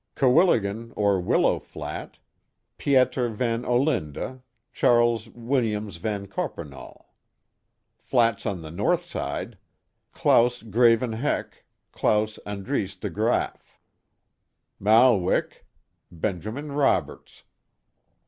Cowillegen, or Willow Flat: Pieter Van 0*Linda, Cbas. Williamse Van Coppernol. Flats on the north side: Claus Graven Hoek — Claus Andrise DeGraflf. Maalwyck — Benjamin Roberts.